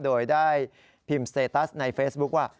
โดยได้พิมพ์สเตตัสในเฟซบุ๊คว่า